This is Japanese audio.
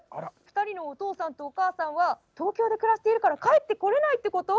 ２人のお父さんとお母さんは東京で働いているから帰ってこれないってこと？